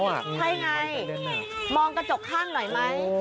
ใช่ไงมองกระจกข้างหน่อยไหม